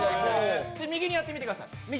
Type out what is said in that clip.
右にやってみてください。